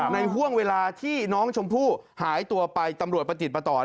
ห่วงเวลาที่น้องชมพู่หายตัวไปตำรวจประติดประต่อ